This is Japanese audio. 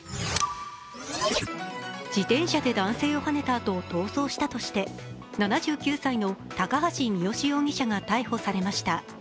自転車で男性をはねたあと逃走したとして７９歳の高橋三好容疑者が逮捕されました。